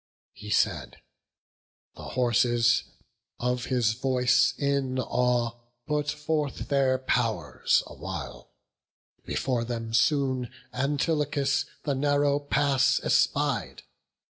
He said; the horses, of his voice in awe, Put forth their pow'rs awhile; before them soon Antilochus the narrow pass espied.